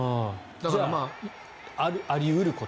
じゃあ、あり得ること。